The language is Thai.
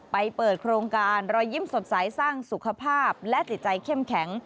เปิดโครงการรอยยิ้มสดใสสร้างสุขภาพและจิตใจเข้มแข็ง